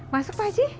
masuk pak haji